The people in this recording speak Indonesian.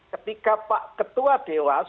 ketika pak ketua dewas